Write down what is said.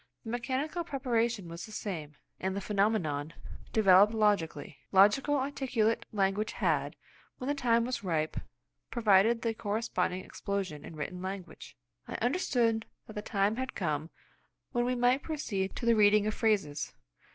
The mechanical preparation was the same, and the phenomenon developed logically. Logical articulate language had, when the time was ripe, provoked the corresponding explosion in written language. I understood that the time had come when we might proceed to the reading of phrases.